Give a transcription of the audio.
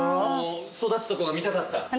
育つとこが見たかった。